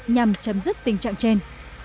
nhằm chấm dứt tình trạng trên